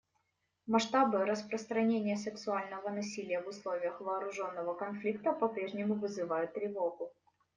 Масштабы распространения сексуального насилия в условиях вооруженного конфликта попрежнему вызывают тревогу.